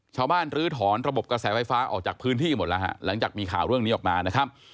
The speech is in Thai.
ลื้อถอนระบบกระแสไฟฟ้าออกจากพื้นที่หมดแล้วฮะหลังจากมีข่าวเรื่องนี้ออกมานะครับ